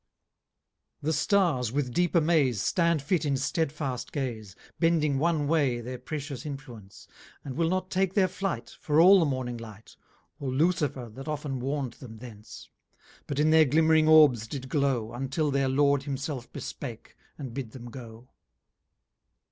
VI The Stars with deep amaze Stand fit in steadfast gaze, 70 Bending one way their pretious influence, And will not take their flight, For all the morning light, Or Lucifer that often warned them thence; But in their glimmering Orbs did glow, Until their Lord himself bespake, and bid them go.